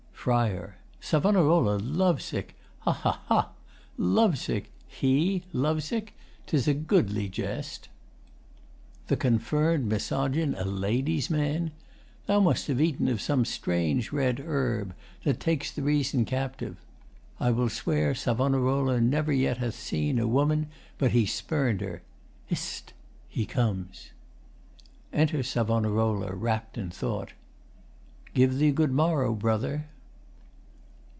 FRI. Savonarola love sick! Ha, ha, ha! Love sick? He, love sick? 'Tis a goodly jest! The CONfirm'd misogyn a ladies' man! Thou must have eaten of some strange red herb That takes the reason captive. I will swear Savonarola never yet hath seen A woman but he spurn'd her. Hist! He comes. [Enter SAVONAROLA, rapt in thought.] Give thee good morrow, Brother.